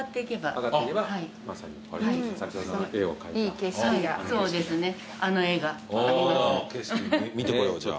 景色見てこようじゃあ。